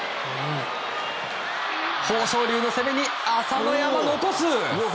豊昇龍の攻めに、朝乃山残す！